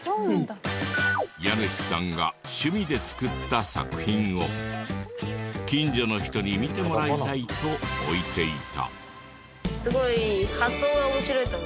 家主さんが趣味で作った作品を近所の人に見てもらいたいと置いていた。